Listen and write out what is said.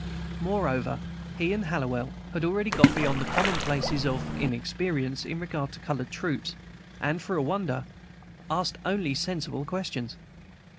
Moreover, he and Hallowell had already got beyond the commonplaces of inexperience, in regard to colored troops, and, for a wonder, asked only sensible questions.